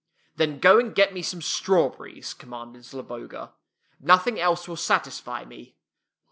" Then go and get me some strawberries," commanded Zloboga. " Nothing else will satisfy me."